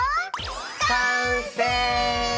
完成！